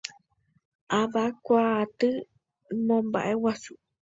Avakuaaty momba'eguasu.